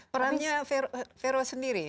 perannya vero sendiri